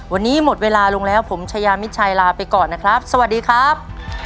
วันนี้หมดเวลาลงแล้วผมชายามิดชัยลาไปก่อนนะครับสวัสดีครับ